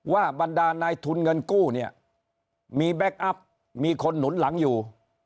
บรรดานายทุนเงินกู้เนี่ยมีแก๊คอัพมีคนหนุนหลังอยู่